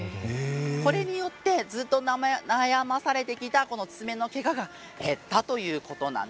これによってずっと悩まされてきた爪のけがが減ったということなんですね。